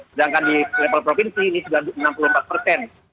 sedangkan di level provinsi ini sudah enam puluh empat persen